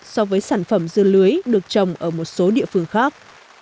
so với sản phẩm dưa lưới được trồng ở một số địa phương khác